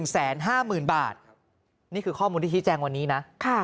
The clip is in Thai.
๑๕๐๐๐บาทนี่คือข้อมูลที่ชี้แจงวันนี้นะ